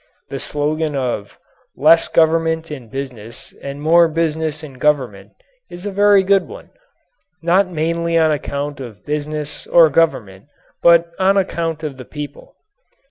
The slogan of "less government in business and more business in government" is a very good one, not mainly on account of business or government, but on account of the people.